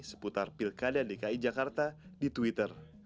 seputar pilkada dki jakarta di twitter